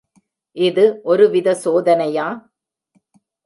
இது ஒருவித சோதனையா?